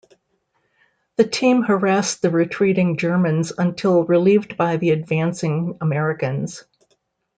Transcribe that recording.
The team harassed the retreating Germans until relieved by the advancing Americans.